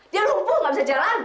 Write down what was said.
dia lumpuh nggak bisa jalan